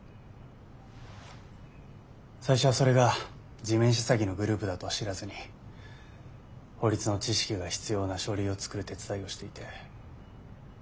最初はそれが地面師詐欺のグループだとは知らずに法律の知識が必要な書類を作る手伝いをしていて。